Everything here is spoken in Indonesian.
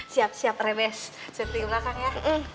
siap siap reves setting belakangnya